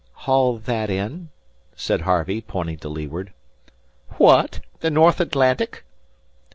"Haul that in," said Harvey, pointing to leeward. "Fwhat? The North Atlantuc?"